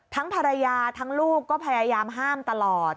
ทั้งภรรยาทั้งลูกก็พยายามห้ามตลอด